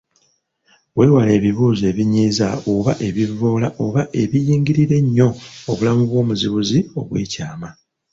Weewale ebibuuzo ebinyiiza oba ebivvoola oba ebiyingirira ennyo obulamu bw’omuzibuzi obw’ekyama.